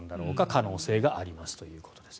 可能性がありますということです。